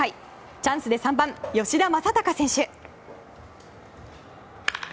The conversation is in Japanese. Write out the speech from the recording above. チャンスで３番、吉田正尚選手。